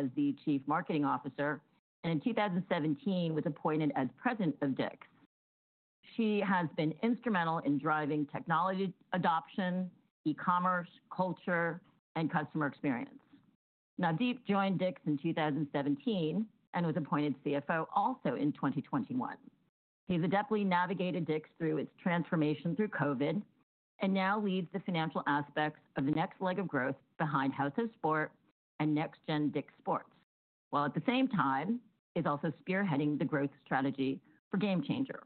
As the Chief Marketing Officer, and in 2017 was appointed as President of DICK'S. She has been instrumental in driving technology adoption, e-commerce, culture, and customer experience. Now, Deep joined DICK'S in 2017 and was appointed CFO also in 2021. He's adeptly navigated DICK'S through its transformation through COVID and now leads the financial aspects of the next leg of growth behind House of Sport and Next Gen DICK'S Sports, while at the same time is also spearheading the growth strategy for GameChanger.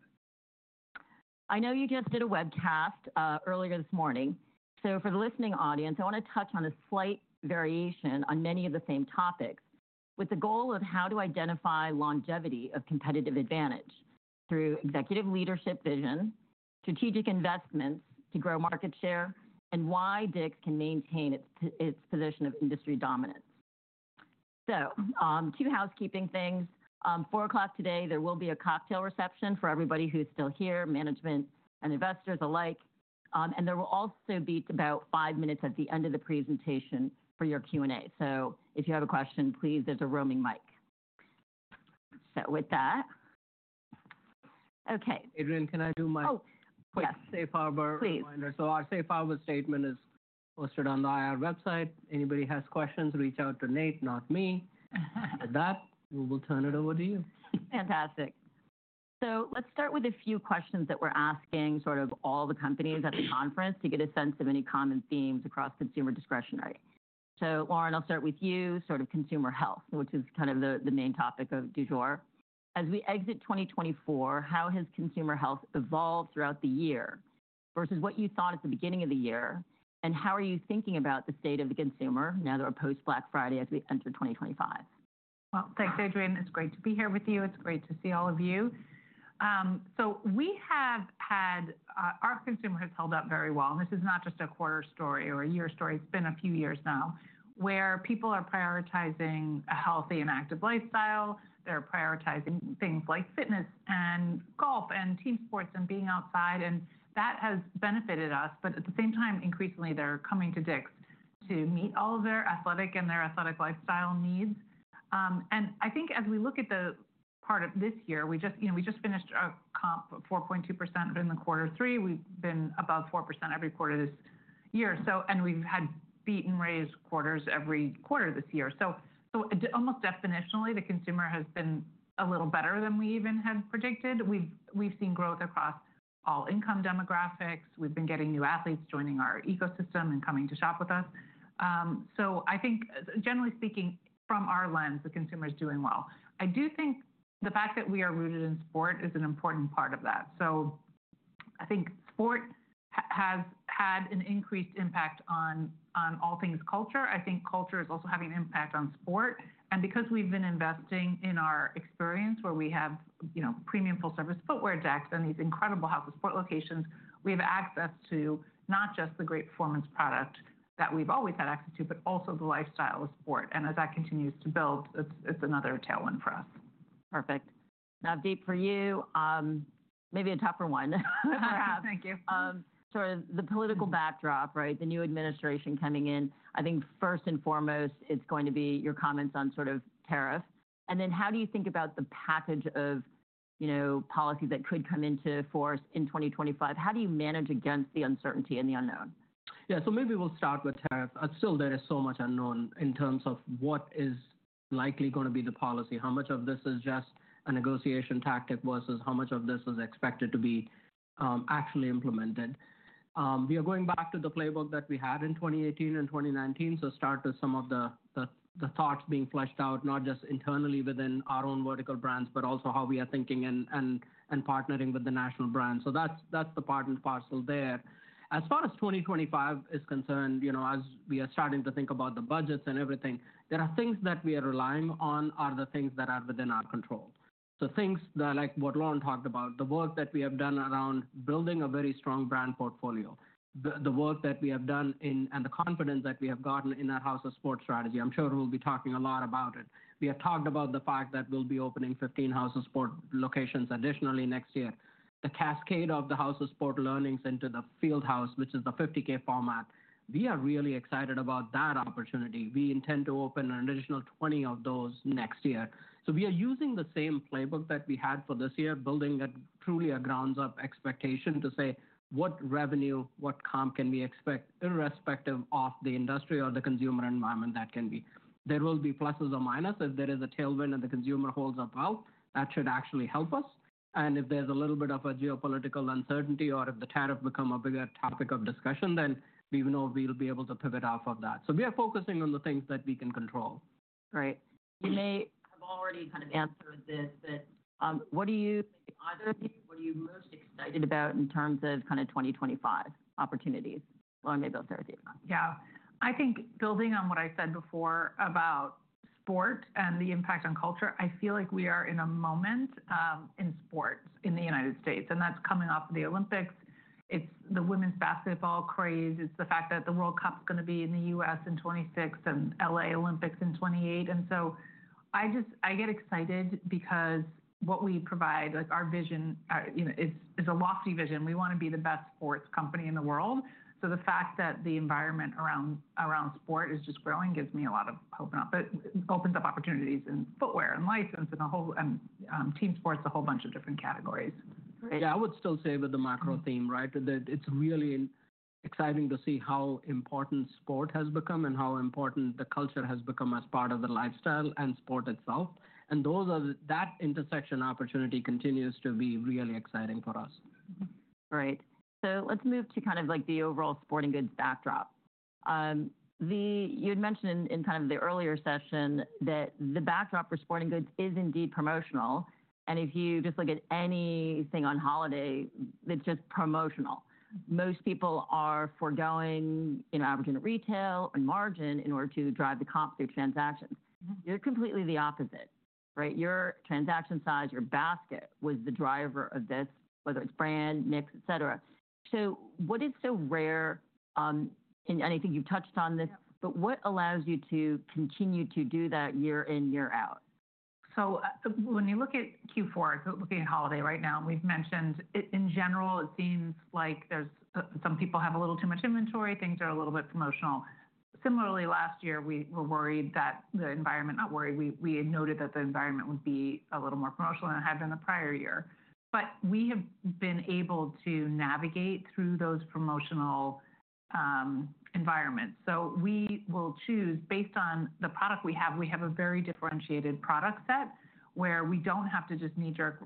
I know you just did a webcast earlier this morning, so for the listening audience, I want to touch on a slight variation on many of the same topics with the goal of how to identify longevity of competitive advantage through executive leadership vision, strategic investments to grow market share, and why DICK'S can maintain its position of industry dominance. So, two housekeeping things. At 4:00 P.M. today, there will be a cocktail reception for everybody who's still here, management and investors alike, and there will also be about five minutes at the end of the presentation for your Q&A. So, if you have a question, please, there's a roaming mic. So, with that. Okay. Adrienne, can I do my quick safe harbor reminder? Please. So, our Safe Harbor statement is posted on the IR website. Anybody has questions, reach out to Nate, not me. With that, we will turn it over to you. Fantastic. So, let's start with a few questions that we're asking sort of all the companies at the conference to get a sense of any common themes across consumer discretionary. So, Lauren, I'll start with you, sort of consumer health, which is kind of the main topic du jour. As we exit 2024, how has consumer health evolved throughout the year versus what you thought at the beginning of the year, and how are you thinking about the state of the consumer now that we're post-Black Friday as we enter 2025? Thanks, Adrienne. It's great to be here with you. It's great to see all of you. We have had our consumer has held up very well. This is not just a quarter story or a year story. It's been a few years now where people are prioritizing a healthy and active lifestyle. They're prioritizing things like fitness and golf and team sports and being outside, and that has benefited us. But at the same time, increasingly, they're coming to DICK'S to meet all of their athletic and their athletic lifestyle needs. And I think as we look at the part of this year, we just finished a comp of 4.2% in the Q3. We've been above 4% every quarter this year. And we've had beat and raised quarters every quarter this year. So, almost definitionally, the consumer has been a little better than we even had predicted. We've seen growth across all income demographics. We've been getting new athletes joining our ecosystem and coming to shop with us. So, I think generally speaking, from our lens, the consumer is doing well. I do think the fact that we are rooted in sport is an important part of that. So, I think sport has had an increased impact on all things culture. I think culture is also having an impact on sport. And because we've been investing in our experience where we have premium full-service footwear decks and these incredible House of Sport locations, we have access to not just the great performance product that we've always had access to, but also the lifestyle of sport. And as that continues to build, it's another tailwind for us. Perfect. Now, Deep, for you, maybe a tougher one, perhaps. Thank you. Sort of the political backdrop, right? The new administration coming in, I think first and foremost, it's going to be your comments on sort of tariff. And then how do you think about the package of policies that could come into force in 2025? How do you manage against the uncertainty and the unknown? Yeah, so maybe we'll start with tariff. Still, there is so much unknown in terms of what is likely going to be the policy. How much of this is just a negotiation tactic versus how much of this is expected to be actually implemented? We are going back to the playbook that we had in 2018 and 2019. So, start with some of the thoughts being fleshed out, not just internally within our own vertical brands, but also how we are thinking and partnering with the national brand. So, that's the part and parcel there. As far as 2025 is concerned, as we are starting to think about the budgets and everything, there are things that we are relying on are the things that are within our control. Things like what Lauren talked about, the work that we have done around building a very strong brand portfolio, the work that we have done, and the confidence that we have gotten in our House of Sport strategy. I'm sure we'll be talking a lot about it. We have talked about the fact that we'll be opening 15 House of Sport locations additionally next year. The cascade of the House of Sport learnings into the Field House, which is the 50K format. We are really excited about that opportunity. We intend to open an additional 20 of those next year. We are using the same playbook that we had for this year, building truly a ground-up expectation to say what revenue, what comp can we expect, irrespective of the industry or the consumer environment that can be. There will be pluses or minuses. There is a tailwind. If the consumer holds above, that should actually help us. And if there's a little bit of a geopolitical uncertainty or if the tariff becomes a bigger topic of discussion, then we know we'll be able to pivot off of that. So, we are focusing on the things that we can control. Right. You may have already kind of answered this, but what do you either of you, what are you most excited about in terms of kind of 2025 opportunities? Lauren, maybe I'll start with you. Yeah. I think building on what I said before about sport and the impact on culture, I feel like we are in a moment in sports in the United States, and that's coming off of the Olympics. It's the women's basketball craze. It's the fact that the World Cup is going to be in the U.S. in 2026 and LA Olympics in 2028. And so I just, I get excited because what we provide, like our vision, it's a lofty vision. We want to be the best sports company in the world. So, the fact that the environment around sport is just growing gives me a lot of hope, but it opens up opportunities in footwear and license and a whole team sports, a whole bunch of different categories. Yeah, I would still say with the macro theme, right, that it's really exciting to see how important sport has become and how important the culture has become as part of the lifestyle and sport itself, and that intersection opportunity continues to be really exciting for us. Right. So, let's move to kind of like the overall sporting goods backdrop. You had mentioned in kind of the earlier session that the backdrop for sporting goods is indeed promotional. And if you just look at anything on holiday, it's just promotional. Most people are forgoing averaging retail and margin in order to drive the comp through transactions. You're completely the opposite, right? Your transaction size, your basket was the driver of this, whether it's brand, mix, et cetera. So, what is so rare? And I think you've touched on this, but what allows you to continue to do that year in, year out? So, when you look at Q4, looking at holiday right now, we've mentioned in general, it seems like some people have a little too much inventory. Things are a little bit promotional. Similarly, last year, we were worried that the environment, not worried, we had noted that the environment would be a little more promotional than it had been the prior year. But we have been able to navigate through those promotional environments. So, we will choose based on the product we have. We have a very differentiated product set where we don't have to just knee-jerk.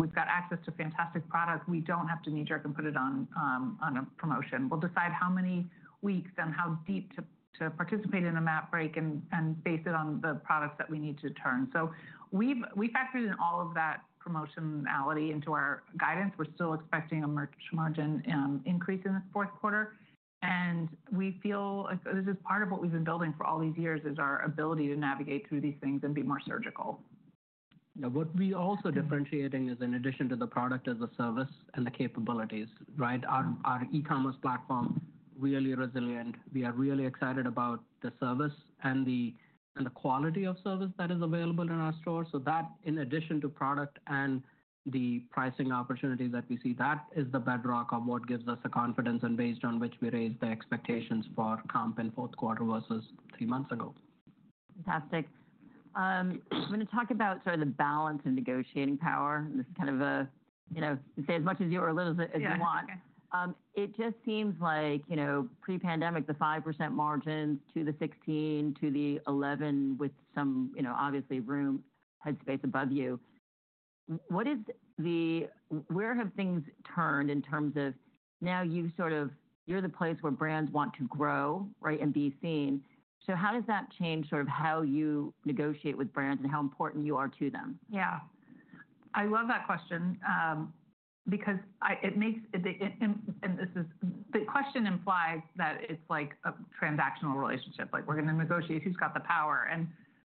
We've got access to fantastic products. We don't have to knee-jerk and put it on a promotion. We'll decide how many weeks and how deep to participate in a MAP break and base it on the products that we need to turn. So, we factored in all of that promotionality into our guidance. We're still expecting a merch margin increase in the Q4, and we feel this is part of what we've been building for all these years is our ability to navigate through these things and be more surgical. Yeah, what we're also differentiating is in addition to the product, the service, and the capabilities, right? Our e-commerce platform is really resilient. We are really excited about the service and the quality of service that is available in our store. So, that in addition to the product and the pricing opportunities that we see, that is the bedrock of what gives us the confidence and based on which we raise the expectations for comp in Q4 versus three months ago. Fantastic. I'm going to talk about sort of the balance and negotiating power. This is kind of a, you know, say as much as you or a little as you want. It just seems like pre-pandemic, the 5% margins to the 16% to the 11% with some obviously room, headspace above you. What is the, where have things turned in terms of now you sort of, you're the place where brands want to grow, right, and be seen. So, how does that change sort of how you negotiate with brands and how important you are to them? Yeah. I love that question because it makes, and this is the question implies that it's like a transactional relationship. Like we're going to negotiate who's got the power. And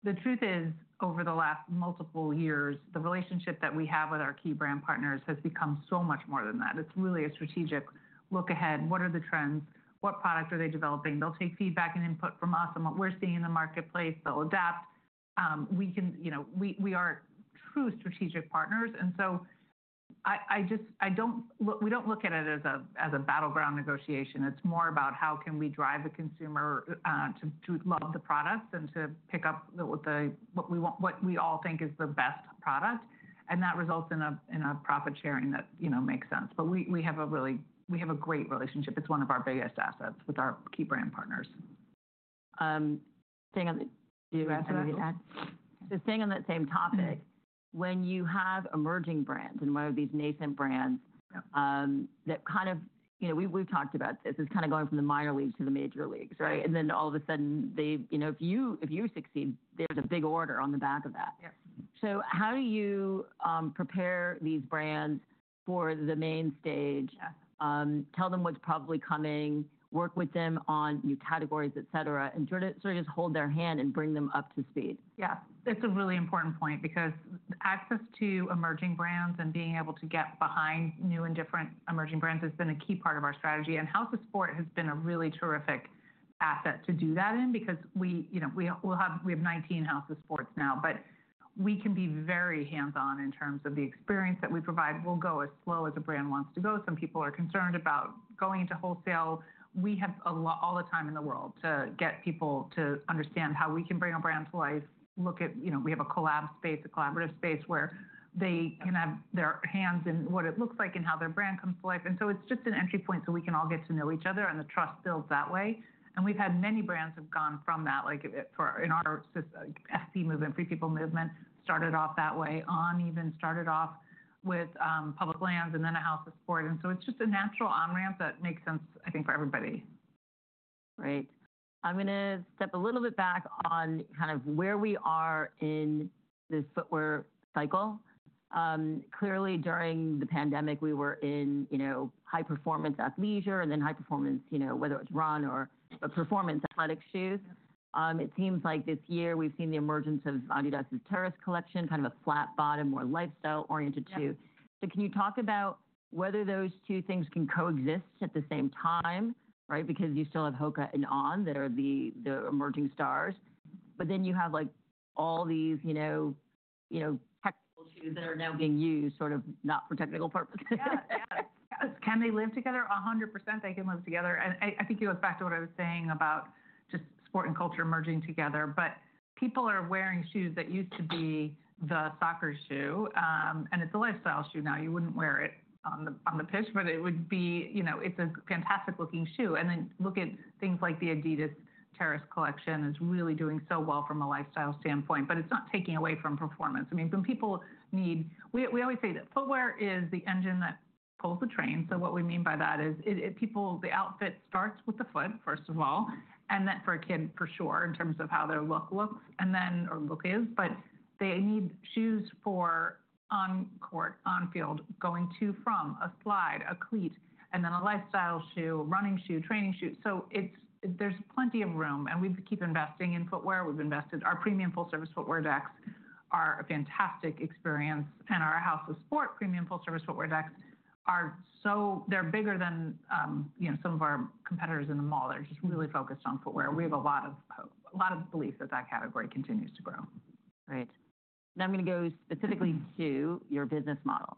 the truth is over the last multiple years, the relationship that we have with our key brand partners has become so much more than that. It's really a strategic look ahead. What are the trends? What product are they developing? They'll take feedback and input from us on what we're seeing in the marketplace. They'll adapt. We are true strategic partners. And so I just, we don't look at it as a battleground negotiation. It's more about how can we drive the consumer to love the products and to pick up what we all think is the best product. And that results in a profit sharing that makes sense. But we have a really great relationship. It's one of our biggest assets with our key brand partners. Staying on the, do you have something to add? So, staying on that same topic, when you have emerging brands and one of these nascent brands that kind of, you know, we've talked about this, it's kind of going from the minor leagues to the major leagues, right? And then all of a sudden, if you succeed, there's a big order on the back of that. So, how do you prepare these brands for the main stage? Tell them what's probably coming, work with them on new categories, et cetera, and sort of just hold their hand and bring them up to speed. Yeah. It's a really important point because access to emerging brands and being able to get behind new and different emerging brands has been a key part of our strategy. And House of Sport has been a really terrific asset to do that in because we have 19 House of Sports now, but we can be very hands-on in terms of the experience that we provide. We'll go as slow as a brand wants to go. Some people are concerned about going into wholesale. We have all the time in the world to get people to understand how we can bring a brand to life. Look at, you know, we have a collab space, a collaborative space where they can have their hands in what it looks like and how their brand comes to life. And so it's just an entry point so we can all get to know each other and the trust builds that way. And we've had many brands have gone from that, like in our FP Movement, Free People Movement started off that way. On even started off with Public Lands and then a House of Sport. And so it's just a natural on-ramp that makes sense, I think, for everybody. Great. I'm going to step a little bit back on kind of where we are in this footwear cycle. Clearly, during the pandemic, we were in high performance athleisure and then high performance, whether it's run or performance athletic shoes. It seems like this year we've seen the emergence of Adidas' Terrace collection, kind of a flat bottom, more lifestyle oriented shoe. So, can you talk about whether those two things can coexist at the same time, right? Because you still have HOKA and On that are the emerging stars, but then you have all these technical shoes that are now being used sort of not for technical purposes. Can they live together? 100% they can live together. And I think it goes back to what I was saying about just sport and culture merging together. But people are wearing shoes that used to be the soccer shoe, and it's a lifestyle shoe now. You wouldn't wear it on the pitch, but it would be, you know, it's a fantastic looking shoe. And then look at things like the Adidas Terrace collection is really doing so well from a lifestyle standpoint, but it's not taking away from performance. I mean, when people need, we always say that footwear is the engine that pulls the train. So, what we mean by that is people, the outfit starts with the foot, first of all, and then for a kid for sure in terms of how their look is, but they need shoes for on court, on field, going to and from a slide, a cleat, and then a lifestyle shoe, running shoe, training shoe. There's plenty of room and we keep investing in footwear. We've invested. Our premium full-service footwear departments are a fantastic experience and our House of Sport premium full-service footwear departments are so, they're bigger than some of our competitors in the mall. They're just really focused on footwear. We have a lot of belief that that category continues to grow. Great. Now I'm going to go specifically to your business model.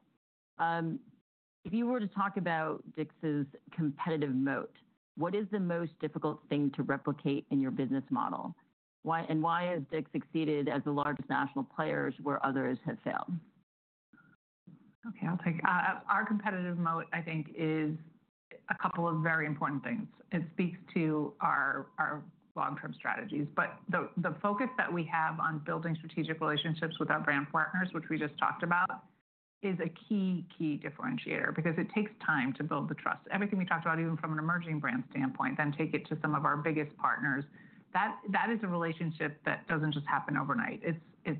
If you were to talk about DICK'S competitive moat, what is the most difficult thing to replicate in your business model? And why has DICK'S succeeded as the largest national players where others have failed? Okay. I'll take our competitive moat, I think, is a couple of very important things. It speaks to our long-term strategies, but the focus that we have on building strategic relationships with our brand partners, which we just talked about, is a key, key differentiator because it takes time to build the trust. Everything we talked about, even from an emerging brand standpoint, then take it to some of our biggest partners. That is a relationship that doesn't just happen overnight. It's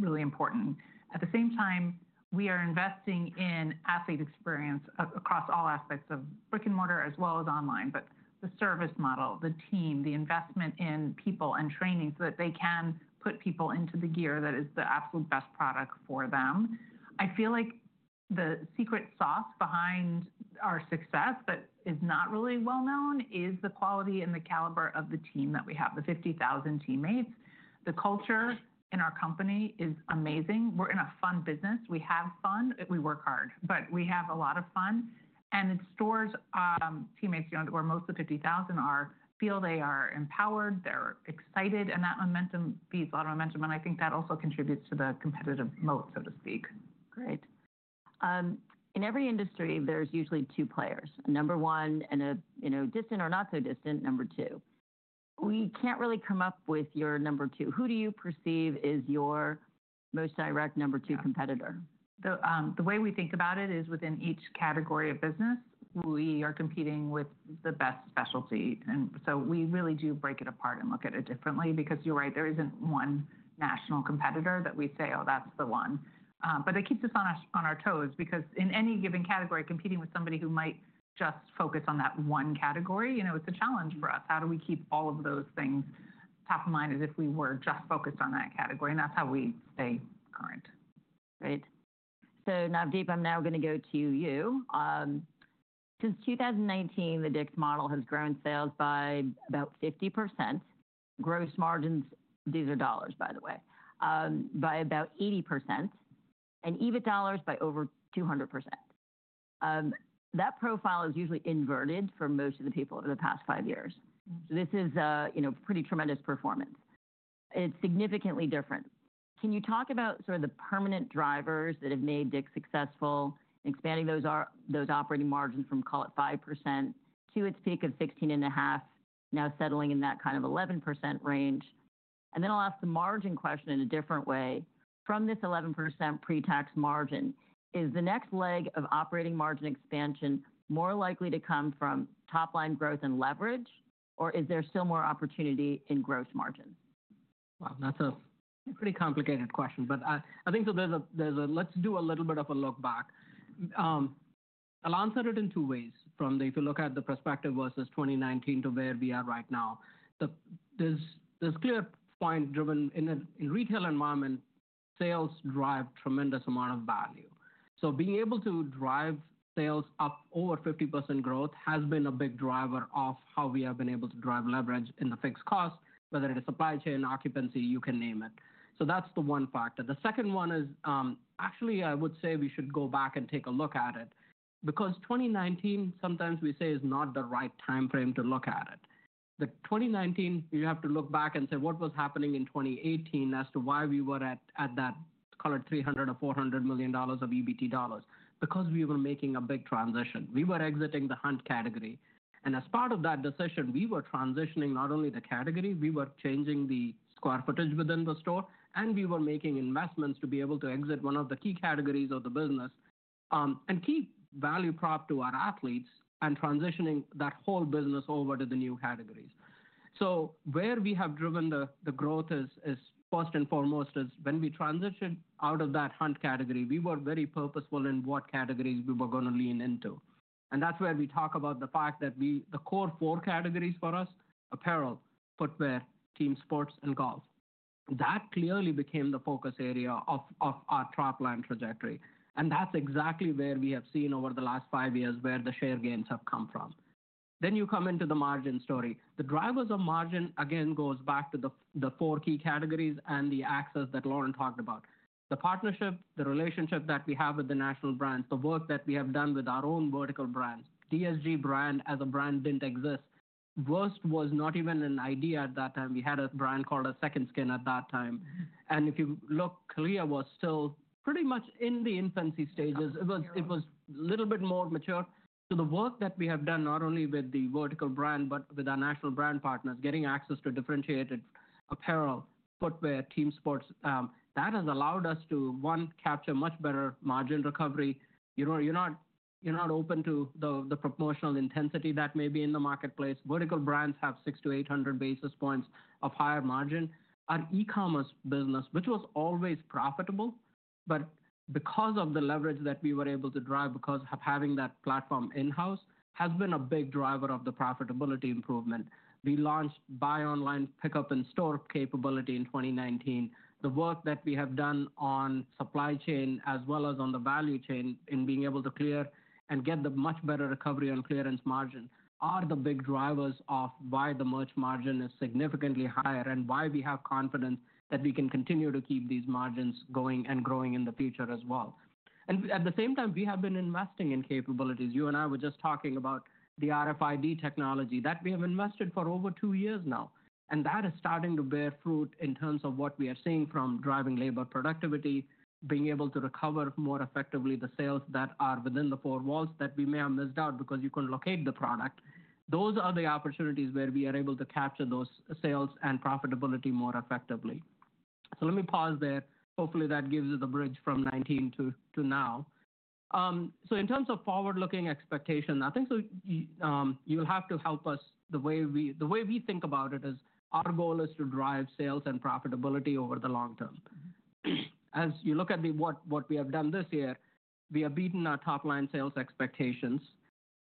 really important. At the same time, we are investing in athlete experience across all aspects of brick and mortar as well as online, but the service model, the team, the investment in people and training so that they can put people into the gear that is the absolute best product for them. I feel like the secret sauce behind our success that is not really well known is the quality and the caliber of the team that we have, the 50,000 teammates. The culture in our company is amazing. We're in a fun business. We have fun. We work hard, but we have a lot of fun. And our store teammates, you know, that we have mostly 50,000, feel they are empowered, they're excited, and that momentum feeds a lot of momentum. And I think that also contributes to the competitive moat, so to speak. Great. In every industry, there's usually two players: number one and a distant or not so distant number two. We can't really come up with your number two. Who do you perceive is your most direct number two competitor? The way we think about it is within each category of business, we are competing with the best specialty. And so we really do break it apart and look at it differently because you're right, there isn't one national competitor that we say, oh, that's the one. But it keeps us on our toes because in any given category, competing with somebody who might just focus on that one category, you know, it's a challenge for us. How do we keep all of those things top of mind as if we were just focused on that category? And that's how we stay current. Great. So Navdeep, I'm now going to go to you. Since 2019, the DICK'S model has grown sales by about 50%. Gross margins, these are dollars, by the way, by about 80% and EBIT dollars by over 200%. That profile is usually inverted for most of the people over the past five years. So this is a pretty tremendous performance. It's significantly different. Can you talk about sort of the permanent drivers that have made DICK'S successful, expanding those operating margins from, call it 5% to its peak of 16.5%, now settling in that kind of 11% range? And then I'll ask the margin question in a different way. From this 11% pre-tax margin, is the next leg of operating margin expansion more likely to come from top-line growth and leverage, or is there still more opportunity in gross margins? Wow, that's a pretty complicated question, but I think so there's a, let's do a little bit of a look back. I'll answer it in two ways. From the, if you look at the perspective versus 2019 to where we are right now, there's a clear point driven in a retail environment, sales drive tremendous amount of value. So being able to drive sales up over 50% growth has been a big driver of how we have been able to drive leverage in the fixed cost, whether it is supply chain, occupancy, you can name it. So that's the one factor. The second one is actually I would say we should go back and take a look at it because 2019, sometimes we say is not the right timeframe to look at it. In 2019, you have to look back and say what was happening in 2018 as to why we were at that, call it $300 million-$400 million of EBT dollars because we were making a big transition. We were exiting the hunt category. As part of that decision, we were transitioning not only the category, we were changing the square footage within the store, and we were making investments to be able to exit one of the key categories of the business and keep value prop to our athletes and transitioning that whole business over to the new categories. Where we have driven the growth is first and foremost is when we transitioned out of that hunt category, we were very purposeful in what categories we were going to lean into. And that's where we talk about the fact that the core four categories for us, apparel, footwear, team sports, and golf, that clearly became the focus area of our traffic line trajectory. And that's exactly where we have seen over the last five years where the share gains have come from. Then you come into the margin story. The drivers of margin again goes back to the four key categories and the access that Lauren talked about. The partnership, the relationship that we have with the national brands, the work that we have done with our own vertical brands, DSG brand as a brand didn't exist. VRST was not even an idea at that time. We had a brand called Second Skin at that time. And if you look, CALIA was still pretty much in the infancy stages. It was a little bit more mature. So the work that we have done not only with the vertical brands, but with our national brand partners, getting access to differentiated apparel, footwear, team sports, that has allowed us to, one, capture much better margin recovery. We're not exposed to the promotional intensity that may be in the marketplace. Vertical brands have 600-800 basis points of higher margin. Our e-commerce business, which was always profitable, but because of the leverage that we were able to drive because of having that platform in-house has been a big driver of the profitability improvement. We launched buy online, pick up in store capability in 2019. The work that we have done on supply chain as well as on the value chain in being able to clear and get the much better recovery on clearance margin are the big drivers of why the merch margin is significantly higher and why we have confidence that we can continue to keep these margins going and growing in the future as well. And at the same time, we have been investing in capabilities. You and I were just talking about the RFID technology that we have invested for over two years now. And that is starting to bear fruit in terms of what we are seeing from driving labor productivity, being able to recover more effectively the sales that are within the four walls that we may have missed out because you couldn't locate the product. Those are the opportunities where we are able to capture those sales and profitability more effectively. So let me pause there. Hopefully that gives you the bridge from 2019 to now. So in terms of forward-looking expectations, I think you'll have to help us. The way we think about it is our goal is to drive sales and profitability over the long term. As you look at what we have done this year, we have beaten our top-line sales expectations.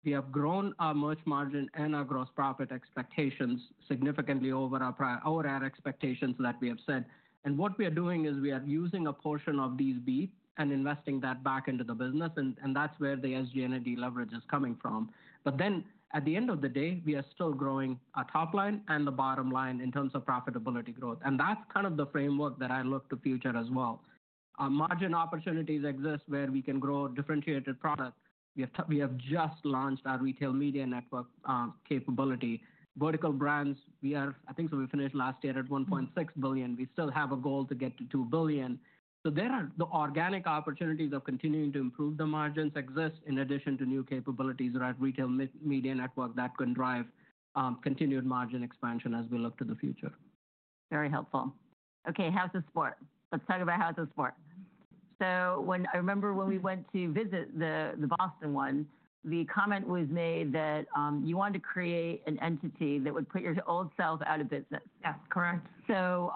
We have grown our merch margin and our gross profit expectations significantly over our expectations that we have said. And what we are doing is we are using a portion of these beats and investing that back into the business. And that's where the SG&A leverage is coming from. But then at the end of the day, we are still growing our top line and the bottom line in terms of profitability growth. And that's kind of the framework that I look to future as well. Margin opportunities exist where we can grow differentiated product. We have just launched our retail media network capability. Vertical brands, we are, I think we finished last year at $1.6 billion. We still have a goal to get to $2 billion. So there are the organic opportunities of continuing to improve the margins exist in addition to new capabilities around retail media network that can drive continued margin expansion as we look to the future. Very helpful. Okay, House of Sport. Let's talk about House of Sport. So I remember when we went to visit the Boston one, the comment was made that you wanted to create an entity that would put your old self out of business. Yes, correct. So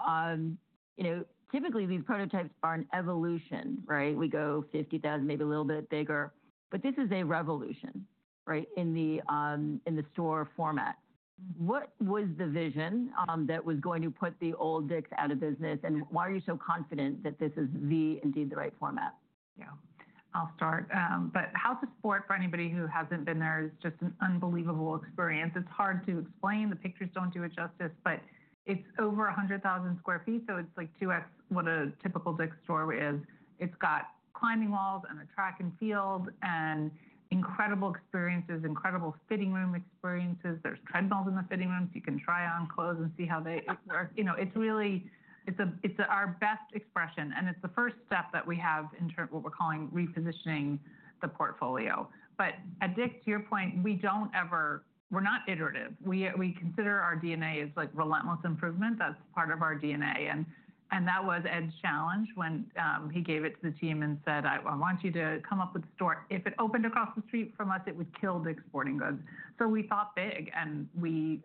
typically these prototypes are an evolution, right? We go 50,000, maybe a little bit bigger, but this is a revolution in the store format. What was the vision that was going to put the old DICK'S out of business? And why are you so confident that this is indeed the right format? Yeah, I'll start. But House of Sport, for anybody who hasn't been there, is just an unbelievable experience. It's hard to explain. The pictures don't do it justice, but it's over 100,000 sq ft. So it's like two X what a typical DICK'S store is. It's got climbing walls and a track and field and incredible experiences, incredible fitting room experiences. There's treadmills in the fitting rooms. You can try on clothes and see how they work. It's really, it's our best expression. And it's the first step that we have in terms of what we're calling repositioning the portfolio. But at DICK'S, to your point, we don't ever, we're not iterative. We consider our DNA as like relentless improvement. That's part of our DNA. And that was Ed's challenge when he gave it to the team and said, "I want you to come up with a store. If it opened across the street from us, it would kill DICK'S Sporting Goods." So we thought big and we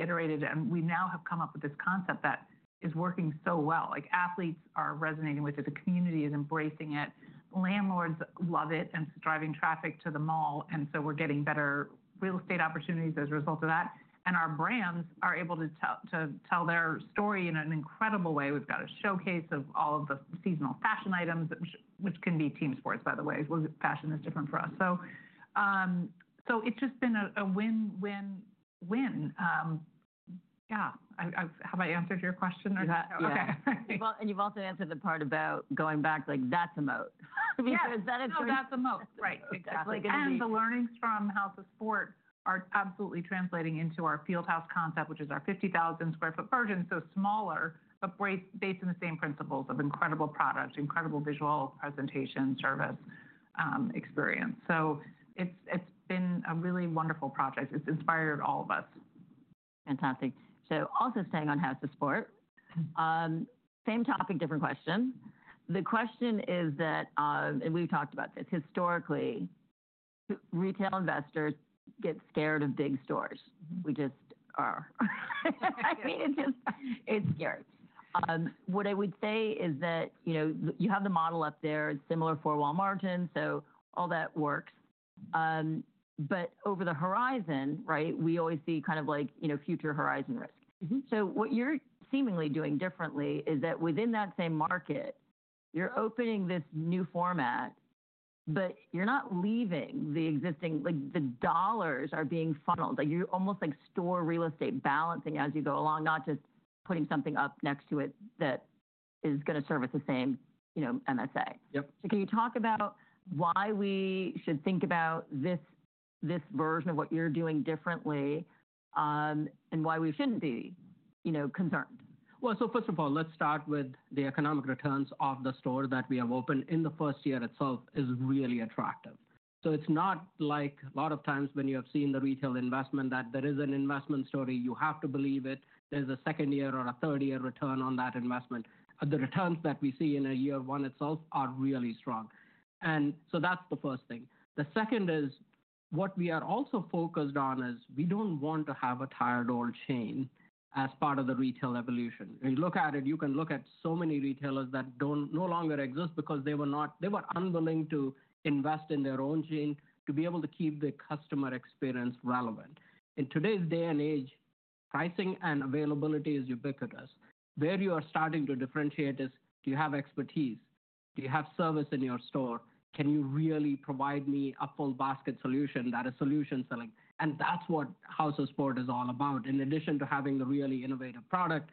iterated and we now have come up with this concept that is working so well. Athletes are resonating with it. The community is embracing it. Landlords love it and it's driving traffic to the mall. And so we're getting better real estate opportunities as a result of that. And our brands are able to tell their story in an incredible way. We've got a showcase of all of the seasonal fashion items, which can be team sports, by the way. Fashion is different for us. So it's just been a win-win. Yeah. Have I answered your question? You've also answered the part about going back like, "That's a moat. No, that's a moat. Right. The learnings from House of Sport are absolutely translating into our Field House concept, which is our 50,000 sq ft version. So smaller, but based on the same principles of incredible product, incredible visual presentation, service experience. So it's been a really wonderful project. It's inspired all of us. Fantastic. So also staying on House of Sport, same topic, different question. The question is that, and we've talked about this historically, retail investors get scared of big stores. We just are. I mean, it's scary. What I would say is that you have the model up there. It's similar four-wall margin. So all that works. But over the horizon, we always see kind of like future horizon risk. So what you're seemingly doing differently is that within that same market, you're opening this new format, but you're not leaving the existing, like the dollars are being funneled. You're almost like store real estate balancing as you go along, not just putting something up next to it that is going to serve at the same MSA. So can you talk about why we should think about this version of what you're doing differently and why we shouldn't be concerned? Well, so first of all, let's start with the economic returns of the store that we have opened in the first year itself is really attractive. So it's not like a lot of times when you have seen the retail investment that there is an investment story. You have to believe it. There's a second year or a third year return on that investment. The returns that we see in a year one itself are really strong. And so that's the first thing. The second is what we are also focused on is we don't want to have a tired old chain as part of the retail evolution. You look at it. You can look at so many retailers that no longer exist because they were unwilling to invest in their own chain to be able to keep the customer experience relevant. In today's day and age, pricing and availability is ubiquitous. Where you are starting to differentiate is do you have expertise? Do you have service in your store? Can you really provide me a full basket solution that is solution selling? And that's what House of Sport is all about. In addition to having a really innovative product,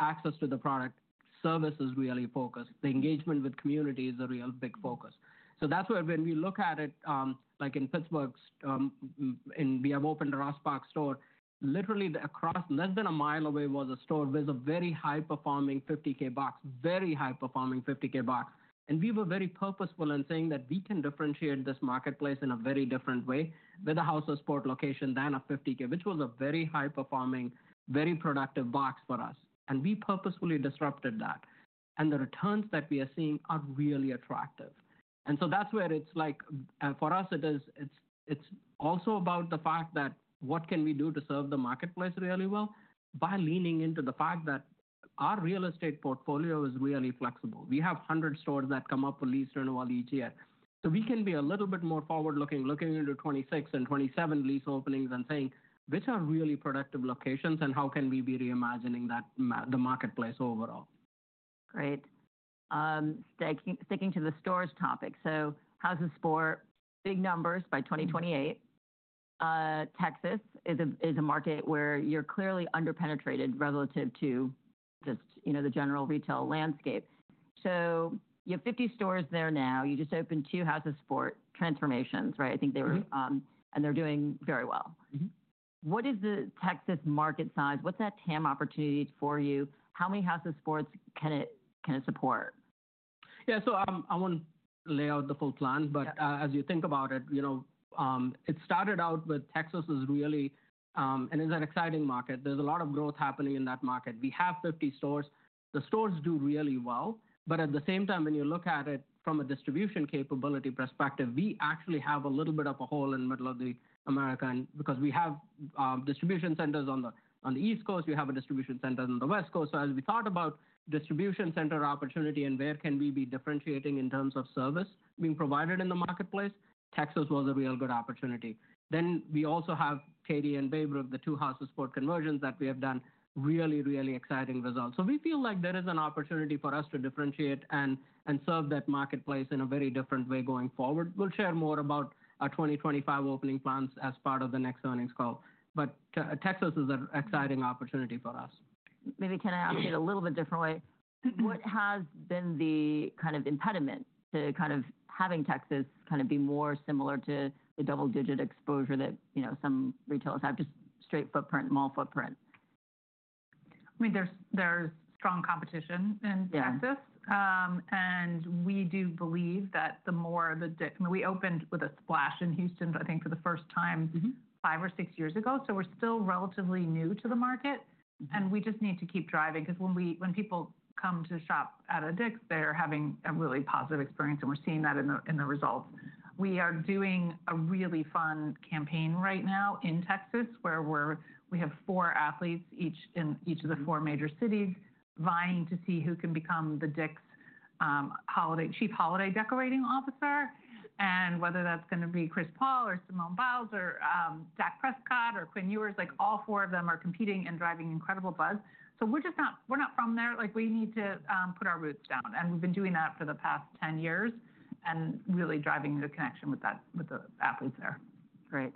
access to the product, service is really focused. The engagement with community is a real big focus. So that's where when we look at it, like in Pittsburgh, we have opened a Ross Park store. Literally, across less than a mile away was a store with a very high performing 50K box. And we were very purposeful in saying that we can differentiate this marketplace in a very different way with a House of Sport location than a 50K, which was a very high performing, very productive box for us. And we purposefully disrupted that. And the returns that we are seeing are really attractive. And so that's where it's like for us, it's also about the fact that what can we do to serve the marketplace really well by leaning into the fact that our real estate portfolio is really flexible. We have hundreds of stores that come up with lease renewal each year. So we can be a little bit more forward-looking, looking into 2026 and 2027 lease openings and saying, which are really productive locations and how can we be reimagining the marketplace overall? Great. Sticking to the stores topic, so House of Sport, big numbers by 2028. Texas is a market where you're clearly under-penetrated relative to just the general retail landscape. So you have 50 stores there now. You just opened two House of Sport transformations, right? I think they were, and they're doing very well. What is the Texas market size? What's that TAM opportunity for you? How many House of Sports can it support? Yeah, so I won't lay out the full plan, but as you think about it, it started out with Texas is really, and it's an exciting market. There's a lot of growth happening in that market. We have 50 stores. The stores do really well. But at the same time, when you look at it from a distribution capability perspective, we actually have a little bit of a hole in the middle of America, because we have distribution centers on the East Coast. We have a distribution center on the West Coast. So as we thought about distribution center opportunity and where can we be differentiating in terms of service being provided in the marketplace, Texas was a real good opportunity. Then we also have Katy and Baybrook, the two House of Sport conversions that we have done really, really exciting results. So we feel like there is an opportunity for us to differentiate and serve that marketplace in a very different way going forward. We'll share more about our 2025 opening plans as part of the next earnings call. But Texas is an exciting opportunity for us. Maybe can I ask it a little bit differently? What has been the kind of impediment to kind of having Texas kind of be more similar to the double-digit exposure that some retailers have, just straight footprint, mall footprint? I mean, there's strong competition in Texas, and we do believe that the more the DICK'S, we opened with a splash in Houston, I think for the first time five or six years ago. So we're still relatively new to the market, and we just need to keep driving because when people come to shop at a DICK'S, they're having a really positive experience. And we're seeing that in the results. We are doing a really fun campaign right now in Texas where we have four athletes in each of the four major cities vying to see who can become the DICK'S Chief Holiday Decorating Officer. And whether that's going to be Chris Paul or Simone Biles or Dak Prescott or Quinn Ewers, like all four of them are competing and driving incredible buzz. So we're not from there. We need to put our boots down. We've been doing that for the past 10 years and really driving the connection with the athletes there. Great.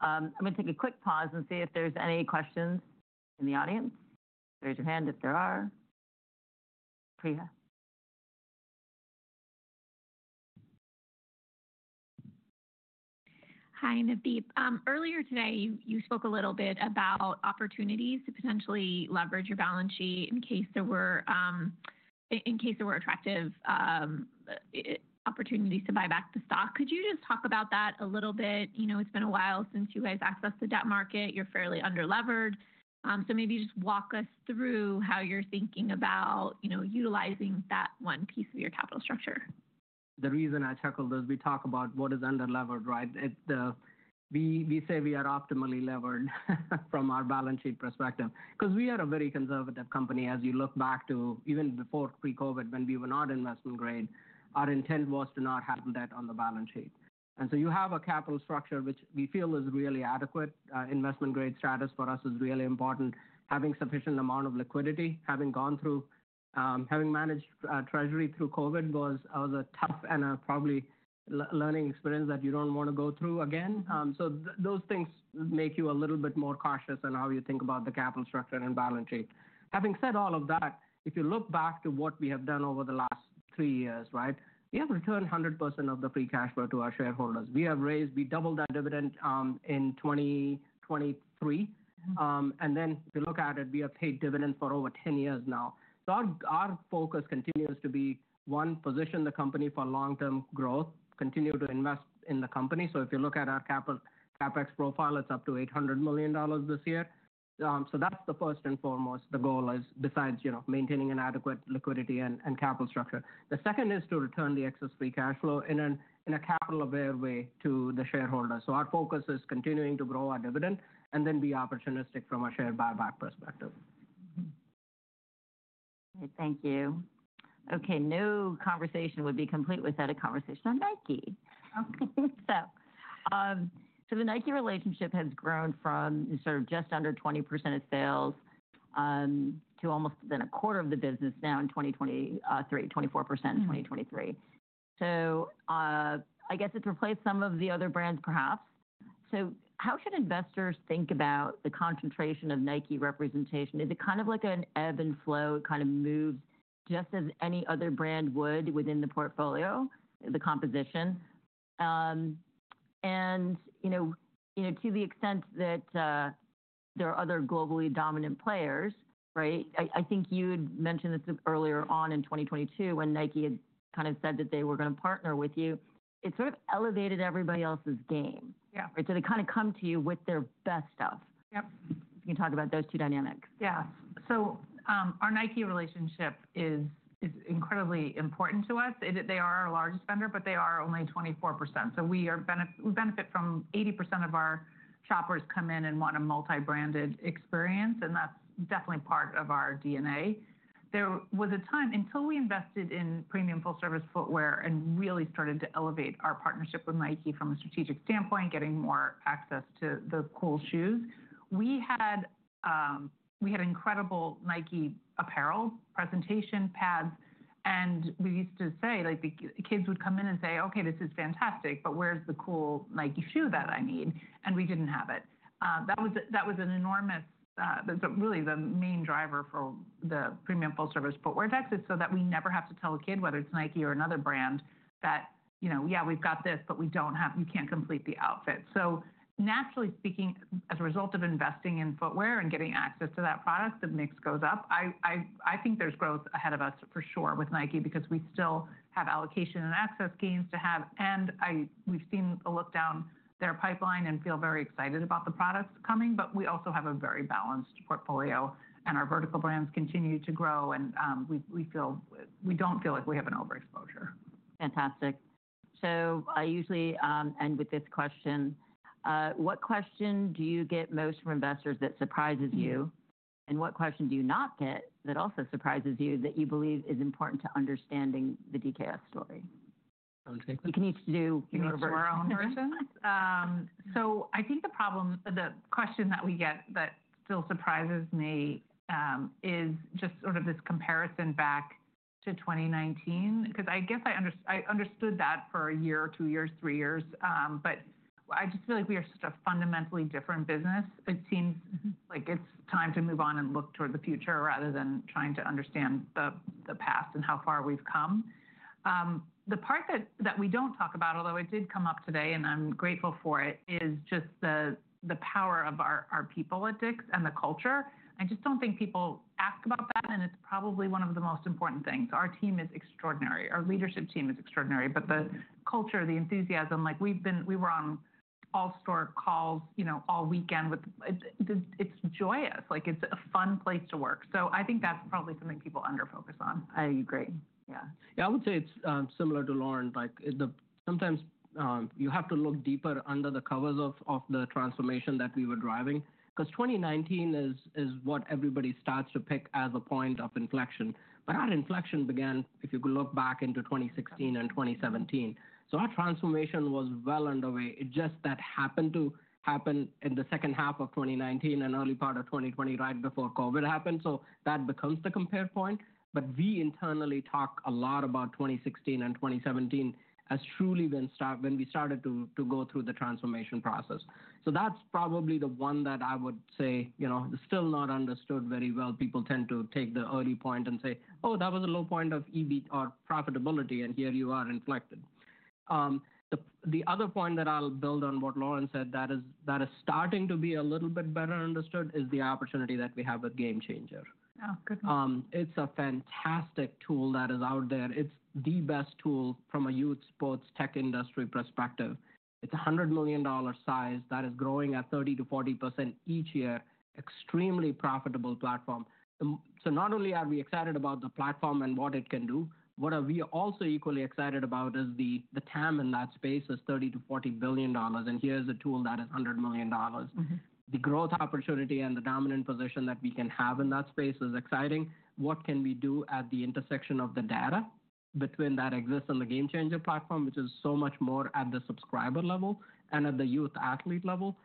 I'm going to take a quick pause and see if there's any questions in the audience. Raise your hand if there are. Priya? Hi, Navdeep. Earlier today, you spoke a little bit about opportunities to potentially leverage your balance sheet in case there were attractive opportunities to buy back the stock. Could you just talk about that a little bit? It's been a while since you guys accessed the debt market. You're fairly under-levered. So maybe just walk us through how you're thinking about utilizing that one piece of your capital structure. The reason I tackled this, we talk about what is under-levered, right? We say we are optimally levered from our balance sheet perspective, because we are a very conservative company. As you look back to even before pre-COVID, when we were not investment grade, our intent was to not have debt on the balance sheet. And so you have a capital structure which we feel is really adequate. Investment grade status for us is really important. Having sufficient amount of liquidity, having gone through, having managed treasury through COVID was a tough and a probably learning experience that you don't want to go through again. So those things make you a little bit more cautious in how you think about the capital structure and balance sheet. Having said all of that, if you look back to what we have done over the last three years, we have returned 100% of the free cash flow to our shareholders. We have raised. We doubled our dividend in 2023. And then if you look at it, we have paid dividends for over 10 years now. So our focus continues to be one, position the company for long-term growth, continue to invest in the company. So if you look at our CapEx profile, it's up to $800 million this year. So that's the first and foremost. The goal is besides maintaining an adequate liquidity and capital structure. The second is to return the excess free cash flow in a capital-aware way to the shareholders. So our focus is continuing to grow our dividend and then be opportunistic from a share buyback perspective. Thank you. Okay, no conversation would be complete without a conversation on Nike. So the Nike relationship has grown from sort of just under 20% of sales to almost then a quarter of the business now in 2023, 24% in 2023. So I guess it's replaced some of the other brands, perhaps. So how should investors think about the concentration of Nike representation? Is it kind of like an ebb and flow? It kind of moves just as any other brand would within the portfolio, the composition. And to the extent that there are other globally dominant players, I think you had mentioned this earlier on in 2022 when Nike had kind of said that they were going to partner with you. It sort of elevated everybody else's game. So they kind of come to you with their best stuff. You can talk about those two dynamics. Yeah. So our Nike relationship is incredibly important to us. They are our largest vendor, but they are only 24%. So we benefit from 80% of our shoppers come in and want a multi-branded experience. And that's definitely part of our DNA. There was a time until we invested in premium full-service footwear and really started to elevate our partnership with Nike from a strategic standpoint, getting more access to the cool shoes. We had incredible Nike apparel, presentation pads. And we used to say, the kids would come in and say, "Okay, this is fantastic, but where's the cool Nike shoe that I need?" And we didn't have it. That's really the main driver for the premium full-service footwear in Texas, so that we never have to tell a kid whether it's Nike or another brand that, "Yeah, we've got this, but we don't have, you can't complete the outfit." So naturally speaking, as a result of investing in footwear and getting access to that product, the mix goes up. I think there's growth ahead of us for sure with Nike because we still have allocation and access gains to have, and we've seen a look down their pipeline and feel very excited about the products coming, but we also have a very balanced portfolio and our vertical brands continue to grow, and we don't feel like we have an overexposure. Fantastic. So I usually end with this question. What question do you get most from investors that surprises you? And what question do you not get that also surprises you that you believe is important to understanding the DKS story? We can each do. Can you answer our own questions? I think the problem, the question that we get that still surprises me is just sort of this comparison back to 2019, because I guess I understood that for a year, two years, three years. But I just feel like we are such a fundamentally different business. It seems like it's time to move on and look toward the future rather than trying to understand the past and how far we've come. The part that we don't talk about, although it did come up today and I'm grateful for it, is just the power of our people at DICK'S and the culture. I just don't think people ask about that. And it's probably one of the most important things. Our team is extraordinary. Our leadership team is extraordinary. But the culture, the enthusiasm, like we were on all-store calls all weekend with, it's joyous. It's a fun place to work. So I think that's probably something people under-focus on. I agree. Yeah. Yeah, I would say it's similar to Lauren. Sometimes you have to look deeper under the covers of the transformation that we were driving, because 2019 is what everybody starts to pick as a point of inflection, but our inflection began, if you could look back into 2016 and 2017, so our transformation was well underway. It just that happened to happen in the second half of 2019 and early part of 2020 right before COVID happened, so that becomes the compare point, but we internally talk a lot about 2016 and 2017 as truly when we started to go through the transformation process, so that's probably the one that I would say is still not understood very well. People tend to take the early point and say, "Oh, that was a low point of EBIT or profitability," and here you are inflected. The other point that I'll build on what Lauren said, that is starting to be a little bit better understood, is the opportunity that we have with GameChanger. It's a fantastic tool that is out there. It's the best tool from a youth sports tech industry perspective. It's a $100 million size that is growing at 30%-40% each year, extremely profitable platform. So not only are we excited about the platform and what it can do, what we are also equally excited about is the TAM in that space is $30 billion-$40 billion, and here's a tool that is $100 million. The growth opportunity and the dominant position that we can have in that space is exciting. What can we do at the intersection of the data between that exists in the GameChanger platform, which is so much more at the subscriber level and at the youth athlete level?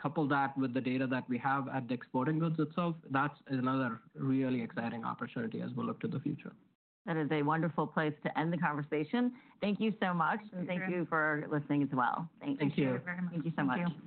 Couple that with the data that we have at DICK's Sporting Goods itself. That's another really exciting opportunity as we look to the future. That is a wonderful place to end the conversation. Thank you so much, and thank you for listening as well. Thank you. Thank you very much. Thank you so much.